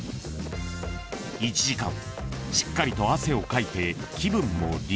［１時間しっかりと汗をかいて気分もリフレッシュ］